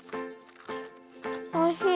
おいしい。